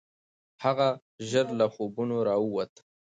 هغه ژر له خوبونو راووت.